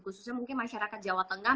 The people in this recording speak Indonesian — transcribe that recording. khususnya mungkin masyarakat jawa tengah